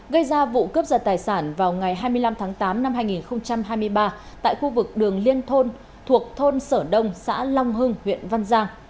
gây ra vụ cướp giật tài sản vào ngày hai mươi năm tháng tám năm hai nghìn hai mươi ba tại khu vực đường liên thôn thuộc thôn sở đông xã long hưng huyện văn giang